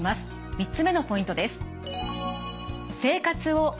３つ目のポイントです。